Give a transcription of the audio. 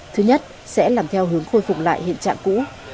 thứ nhất sẽ làm theo hướng khôi phục lại hiện trạng cũ